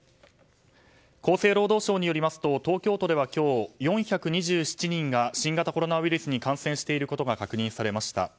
厚生労働省によりますと東京都では今日４２７人が新型コロナウイルスに感染していることが確認されました。